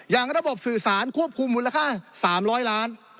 อย่างระบบสื่อสารควบคุมมูลค่าสามร้อยล้าน